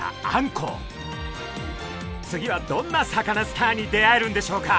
次はどんなサカナスターに出会えるんでしょうか？